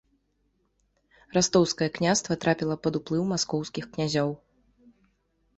Растоўскае княства трапіла пад уплыў маскоўскіх князёў.